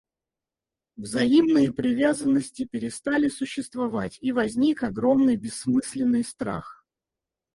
Взаимные привязанности перестали существовать, и возник огромный бессмысленный страх.